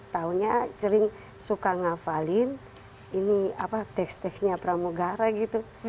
taunya sering suka ngafalin ini apa teks teksnya pramugara gitu